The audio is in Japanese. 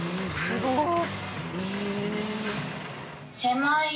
すごい！